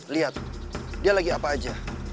lihat dia lagi apa aja